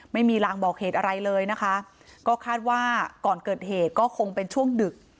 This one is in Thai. ไม่มีรางบอกเหตุอะไรเลยนะคะก็คาดว่าก่อนเกิดเหตุก็คงเป็นช่วงดึก